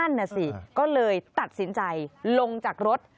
นั่นน่ะสิก็เลยตัดสินใจลงจากรถ